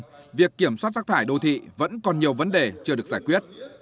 tuy nhiên việc kiểm soát rác thải đô thị vẫn còn nhiều vấn đề chưa được giải quyết